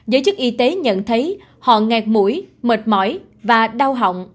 giới chức y tế nhận thấy họ ngạt mũi mệt mỏi và đau họng